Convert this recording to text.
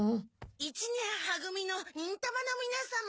一年は組の忍たまのみなさま。